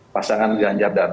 pasangan ganjar dan